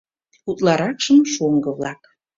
Утларакшым шоҥго-влак.